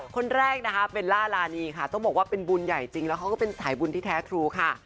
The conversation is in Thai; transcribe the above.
คนแรกนะคะเบลล่ารานีค่ะต้องบอกว่าเป็นบุญใหญ่จริงแล้วเขาก็เป็นสายบุญที่แท้ครูค่ะ